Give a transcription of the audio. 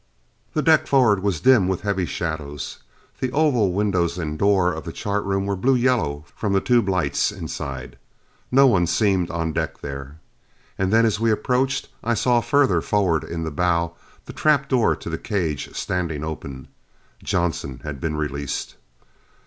The deck forward was dim with heavy shadows. The oval windows and door of the chart room were blue yellow from the tube lights inside. No one seemed on the deck there. And then as we approached, I saw further forward in the bow, the trap door to the cage standing open. Johnson had been released.